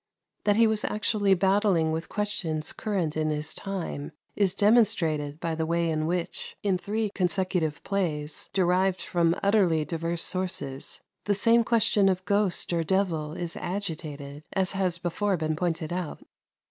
That he was actually battling with questions current in his time is demonstrated by the way in which, in three consecutive plays, derived from utterly diverse sources, the same question of ghost or devil is agitated, as has before been pointed out.